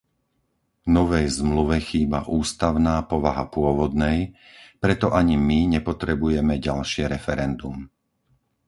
Novej Zmluve chýba ústavná povaha pôvodnej, preto ani my nepotrebujeme ďalšie referendum.